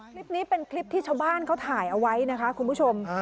คลิปนี้เป็นคลิปที่ชาวบ้านเขาถ่ายเอาไว้นะคะคุณผู้ชม